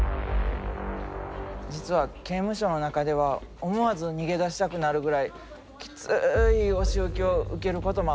実は刑務所の中では思わず逃げ出したくなるぐらいきついお仕置きを受けることもあったんや。